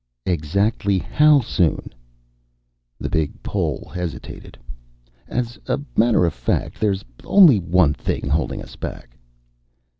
"Exactly how soon?" The big Pole hesitated. "As a matter of fact, there's only one thing holding us back."